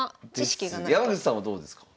山口さんはどうですか？